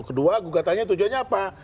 kedua gugatannya tujuannya apa